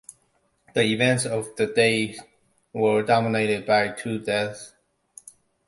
The events of the day were dominated by two deaths.